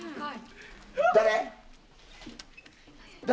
「誰？